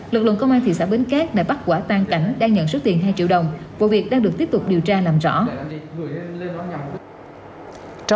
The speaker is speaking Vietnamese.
lực lượng công an thị xã bến cát đã bắt quả tan cảnh đang nhận số tiền hai triệu đồng vụ việc đang được tiếp tục điều tra làm rõ